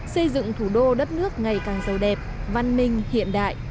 xây dựng thủ đô đất nước ngày càng giàu đẹp văn minh hiện đại